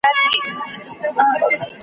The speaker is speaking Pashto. وراوي به راسي د توتکیو .